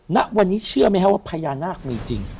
ณวันนี้เชื่อไหมครับว่าพญานาคมีจริง